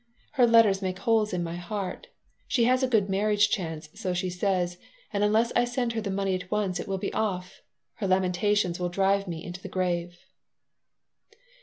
Her letters make holes in my heart. She has a good marriage chance, so she says, and unless I send her the money at once it will be off. Her lamentations will drive me into the grave."